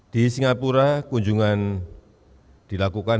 di singapura kunjungan dilakukan